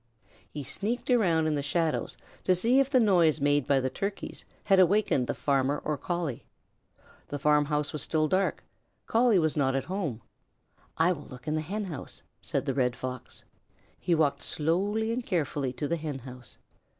He sneaked around in the shadows to see if the noise made by the turkeys had awakened the farmer or Collie. The farmhouse was still and dark. Collie was not at home. "I will look at the Hen house," said the Red Fox. He walked slowly and carefully to the Hen house.